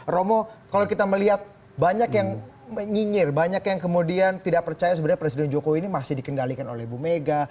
romo kalau kita melihat banyak yang menyinyir banyak yang kemudian tidak percaya sebenarnya presiden jokowi ini masih dikendalikan oleh ibu mega